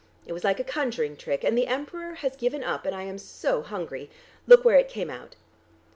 It was like a conjuring trick, and the Emperor has given up, and I am so hungry. Look where it came out."